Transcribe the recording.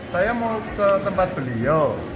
saya mau ke tempat beliau